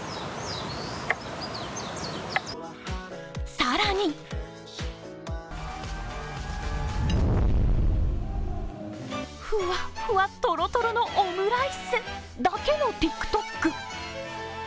更にふわっふわトロトロのオムライスだけのＴｉｋＴｏｋ。